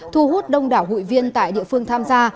thu hút đông đảo hụi viên tại địa phương tham gia